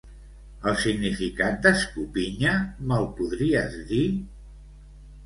El significat d'escopinya me'l podries dir?